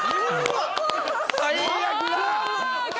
最悪だ！